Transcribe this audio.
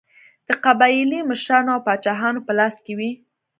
د قبایلي مشرانو او پاچاهانو په لاس کې وې.